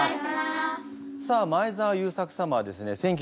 さあ前澤友作様はですね